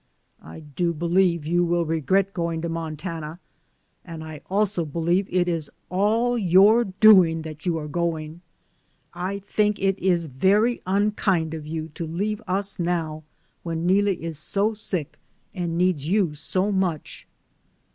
'* "I do believe you will regret going to Montana, and I also believe it is all your doing that you are going. I think it is very unkind of you to leave us now when Neelie is so sick and needs you so much."